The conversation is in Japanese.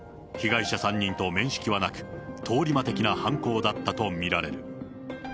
被害者３人と面識はなく、通り魔的な犯行だったと見られる。